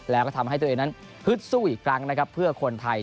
แล้วก็ทำให้ตัวเองนั้นฮึดสู้อีกครั้งนะครับเพื่อคนไทย